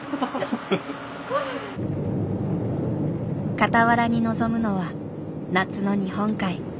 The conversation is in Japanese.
傍らに望むのは夏の日本海。